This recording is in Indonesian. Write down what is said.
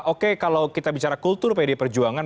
oke kalau kita bicara kultur pdi perjuangan